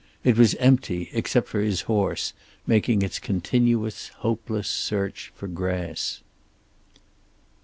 It was empty, except for his horse, making its continuous, hopeless search for grass.